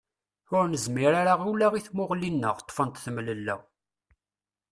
Ur nezmir ara ula i tmuɣli-nneɣ, ṭṭfent temlella.